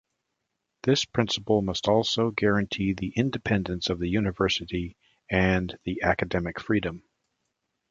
This principle must also guarantee the independence of the university and the academic freedom.